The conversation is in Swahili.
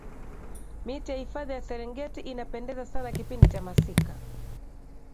miti ya hifadhi ya serengeti inapendeza sana kipindi cha masika